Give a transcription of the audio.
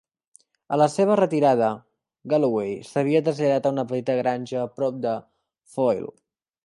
A la seva retirada, Galloway s'havia traslladat a una petita granja a prop de Foyil.